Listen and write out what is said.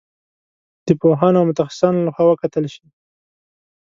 د پوهانو او متخصصانو له خوا وکتل شي.